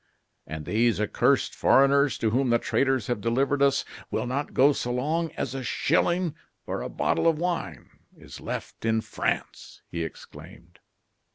"And these accursed foreigners to whom the traitors have delivered us, will not go so long as a shilling or a bottle of wine is left in France!" he exclaimed.